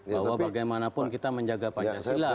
bahwa bagaimanapun kita menjaga pancasila